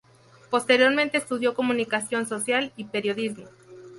Posteriormente estudió Comunicación Social y periodismo.